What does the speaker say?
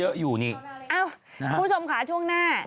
เอ้าคุณผู้ชมขาช่วงหน้า